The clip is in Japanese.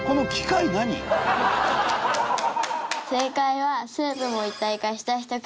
正解は。